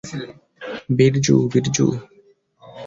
বীর্যু, বীর্যু।